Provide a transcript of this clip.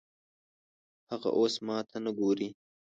هغه اوس ماته نه ګوري